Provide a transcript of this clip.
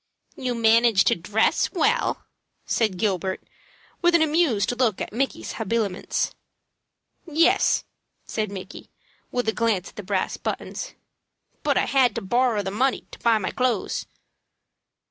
"You manage to dress well," said Gilbert, with an amused look at Micky's habiliments. "Yes," said Micky, with a glance at the brass buttons; "but I had to borrer the money to buy my clo'es."